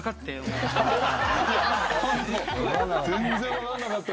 全然分かんなかった。